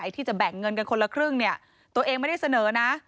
ที่จะแบ่งเงินกันคนละครึ่งเนี่ยตัวเองไม่ได้เสนอนะ